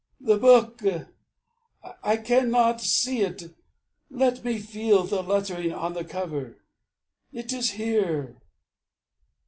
"The book, I cannot see it, let me feel The lettering on the cover. It is here!